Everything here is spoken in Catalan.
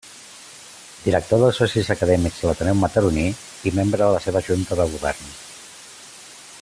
Director dels socis acadèmics de l'Ateneu Mataroní i membre de la seva junta de govern.